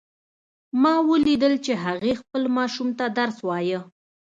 ما ولیدل چې هغې خپل ماشوم ته درس وایه